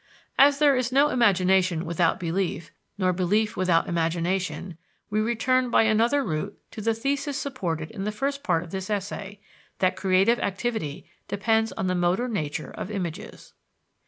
As there is no imagination without belief, nor belief without imagination, we return by another route to the thesis supported in the first part of this essay, that creative activity depends on the motor nature of images.